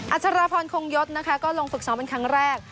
อาจารย์พรคงยศนะคะก็ลงฝึกซ้อมเป็นครั้งแรก